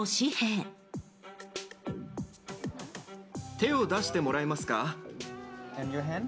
手を出してもらえますか。